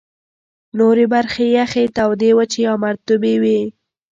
نورې برخې یخي، تودې، وچي یا مرطوبې وې.